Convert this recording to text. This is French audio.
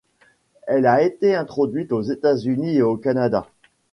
Elle a été introduite aux États-Unis et au Canada.